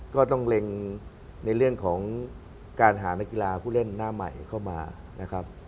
ก็ต้องเล็งในเรื่องของการหานักกีฬาผู้เล่นหน้าใหม่เข้ามานะครับ